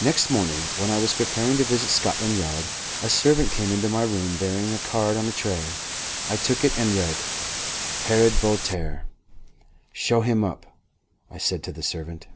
Next morning, when I was preparing to visit Scotland Yard, a servant came into my room bearing a card on a tray. I took it and read, "Herod Voltaire." "Show him up," I said to the servant.